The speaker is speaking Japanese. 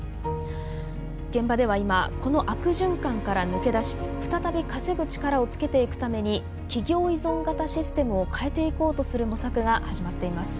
現場では今この悪循環から抜け出し再び稼ぐ力をつけていくために企業依存型システムを変えていこうとする模索が始まっています。